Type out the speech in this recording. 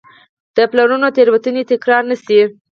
د پلانرانو تېروتنې تکرار نه شي.